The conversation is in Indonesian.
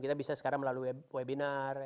kita bisa sekarang melalui webinar